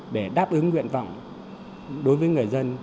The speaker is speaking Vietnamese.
để đáp ứng nguyện vọng đối với người dân